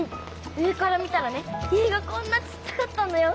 上から見たらね家がこんなちっちゃかったんだよ。